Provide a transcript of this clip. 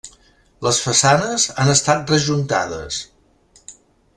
Les façanes han estat rejuntades.